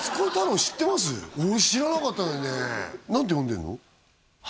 俺知らなかったんだよね何て呼んでんの？